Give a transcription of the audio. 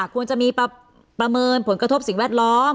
ควรจะมีประเมินผลกระทบสิ่งแวดล้อม